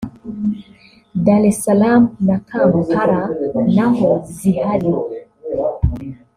Dar- es -Salam na Kampala na ho zihari